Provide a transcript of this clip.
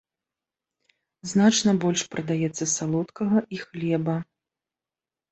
Значна больш прадаецца салодкага і хлеба.